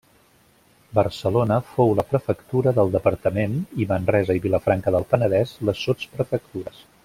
Barcelona fou la prefectura del departament i Manresa i Vilafranca del Penedès les sotsprefectures.